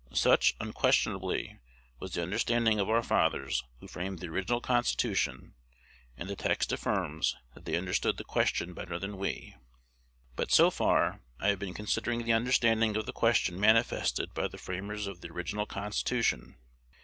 Such, unquestionably, was the understanding of our fathers who framed the original Constitution; and the text affirms that they understood the question better than we. But, so far, I have been considering the understanding of the question manifested by the framers of the original Constitution.